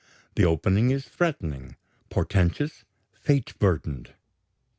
The opening is threatening, portentous, fate burdened.